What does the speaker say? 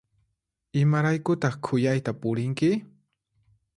Imaraykutaq khuyayta purinki?